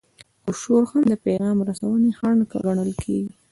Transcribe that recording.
او شور هم د پیغام رسونې خنډ ګڼل کیږي.